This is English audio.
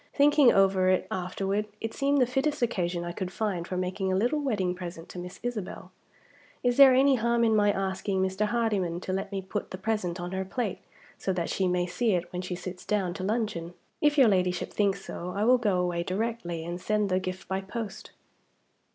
"Thinking over it afterward, it seemed the fittest occasion I could find for making a little wedding present to Miss Isabel. Is there any harm in my asking Mr. Hardyman to let me put the present on her plate, so that she may see it when she sits down to luncheon? If your Ladyship thinks so, I will go away directly, and send the gift by post."